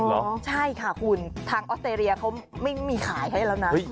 ใช่ค่ะคุณทางออสเตรเลียเขาไม่มีขายให้แล้วนะ